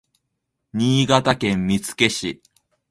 新潟県見附市